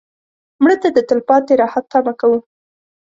مړه ته د تلپاتې راحت تمه کوو